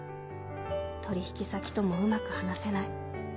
取引先ともうまく話せない